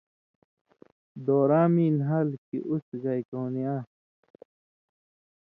دوراں مِیں نھال کھیں اُوڅھہۡ گائ کؤں نی آن٘س۔